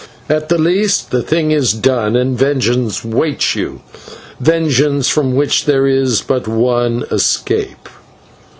At the least, the thing is done, and vengeance waits you vengeance from which there is but one escape."